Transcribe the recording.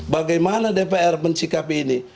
bagaimana dpr mencikapi ini